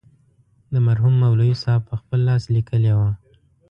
مرحوم مولوي صاحب پخپل لاس لیکلې وه.